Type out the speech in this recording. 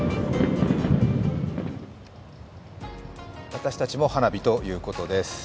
私たちも花火ということです。